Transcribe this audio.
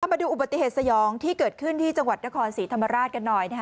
มาดูอุบัติเหตุสยองที่เกิดขึ้นที่จังหวัดนครศรีธรรมราชกันหน่อย